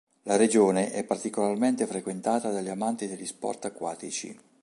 La regione è particolarmente frequentata dagli amanti degli sport acquatici.